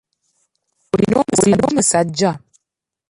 Olina omusajja?